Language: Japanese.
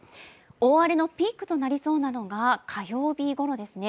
大荒れのピークとなりそうなのが火曜日ごろですね。